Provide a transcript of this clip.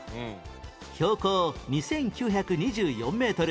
標高２９２４メートル